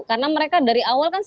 karena mereka dari awal kan